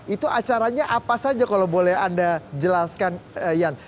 itu acaranya apa saja kalau boleh anda jelaskan yan